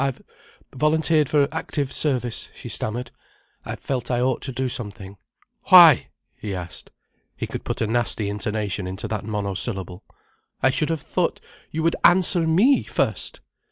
"I've volunteered for active service," she stammered. "I felt I ought to do something." "Why?" he asked. He could put a nasty intonation into that monosyllable. "I should have thought you would answer me first."